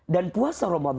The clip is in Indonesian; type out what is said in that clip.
dan puasa romantiknya